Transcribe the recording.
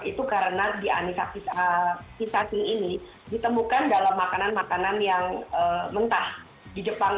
itu karena di anisakis anisakis ini ditemukan dalam makanan makanan yang mentah di jepang